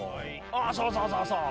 あそうそうそうそう。